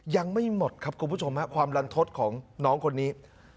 ยังไม่หมดครับคุณผู้ชมฮะความลันทศของน้องคนนี้